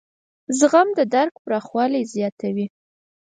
زغم د درک پراخوالی زیاتوي.